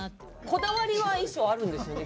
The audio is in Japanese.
こだわりは衣装あるんですよね？